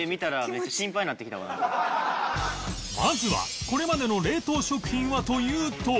まずはこれまでの冷凍食品はというと